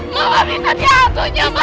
ma bisa diantunya ma